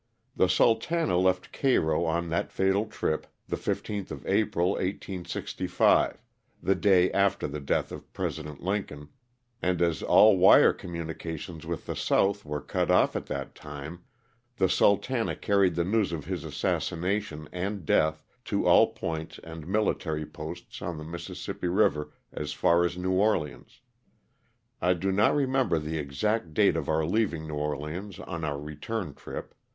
The ''Sultana*' left Cairo on that fatal trip the 15th of April, 1865, the day after the death of President Lincoln, and as all wire communi cations with the south were cut off at that time, the "Sultana" carried the news of his assassination and death to all points and military posts on the Missis sippi river as far as New Orleans. I do not remember the exact date of our leaving New Orleans on our return trip.